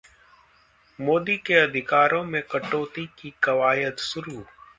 मोदी के अधिकारों में कटौती की कवायद शुरू